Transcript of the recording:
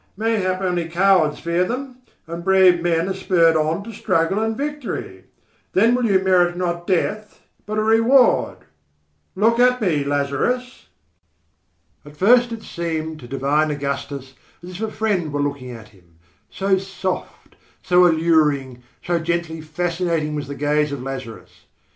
Mayhap only cowards fear them, and brave men are spurred on to struggle and victory. Then will you merit not death but a reward. Look at me, Lazarus." At first it seemed to divine Augustus as if a friend were looking at him, so soft, so alluring, so gently fascinating was the gaze of Lazarus.